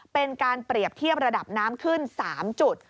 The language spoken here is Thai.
เป็นการเปรียบเทียบระดับน้ำขึ้น๓จุด